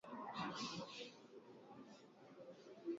sambaza mafuta kweye chombo cha kuokea